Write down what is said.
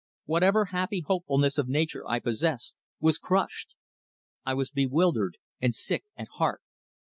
Whatever happy hopefulness of nature I possessed was crushed. I was bewildered and sick at heart.